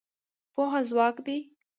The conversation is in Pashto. پوهه ځواک دی.